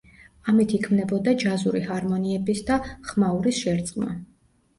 ამით იქმნებოდა ჯაზური ჰარმონიების და ხმაურის შერწყმა.